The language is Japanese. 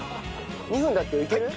２分だっていける？